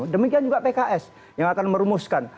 demikian juga pks yang akan merumuskan